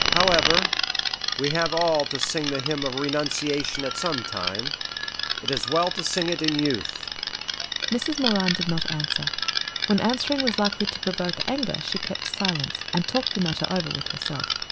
However, we have all to sing the hymn of Renunciation at some time; it is well to sing it in youth." Mrs. Moran did not answer. When answering was likely to provoke anger, she kept silence and talked the matter over with herself.